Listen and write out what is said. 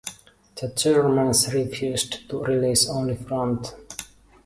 The Germans refused to release only Front.